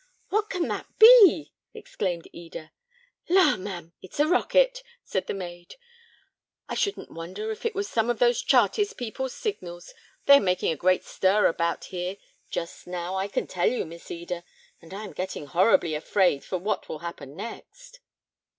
"What can that be?" exclaimed Eda. '"La! ma'am, it's a rocket," said the maid. "I shouldn't wonder if it was some of those Chartist people's signals. They are making a great stir about here just now, I can tell you, Miss Eda; and I am getting horribly afraid for what will happen next."